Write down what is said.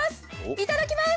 いただきます！